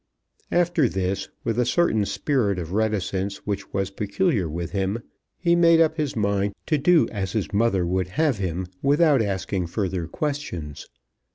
After this, with a certain spirit of reticence which was peculiar with him, he made up his mind to do as his mother would have him without asking further questions.